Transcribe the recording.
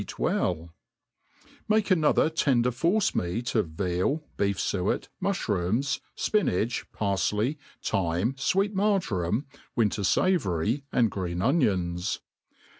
it well ; make an« other tender force meat of veal, beef fuct, muflirooms, fpi Aacb, pi^rfley, thyme, fweet»marjoram» winter iavory, and green onions.